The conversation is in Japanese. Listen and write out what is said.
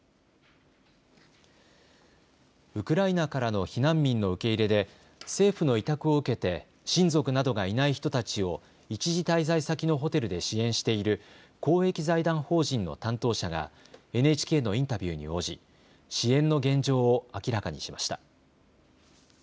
ウクライナからの避難民の受け入れで政府の委託を受けて親族などがいない人たちを一時滞在先のホテルで支援している公益財団法人の担当者がＮＨＫのインタビューに応じ支援の現状を明らかにしました。